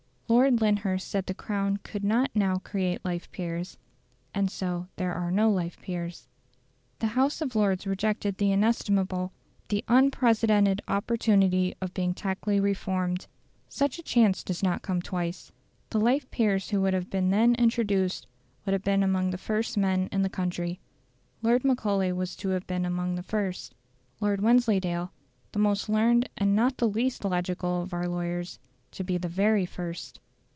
Lord Lyndhurst said the Crown could not now create life peers, and so there are no life peers. The House of Lords rejected the inestimable, the unprecedented opportunity of being tacitly reformed. Such a chance does not come twice. The life peers who would have been then introduced would have been among the first men in the country. Lord Macaulay was to have been among the first; Lord Wensleydale the most learned and not the least logical of our lawyers to be the very first.